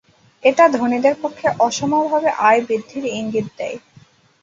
এটা ধনীদের পক্ষে অসমভাবে আয় বৃদ্ধির ইঙ্গিত দেয়।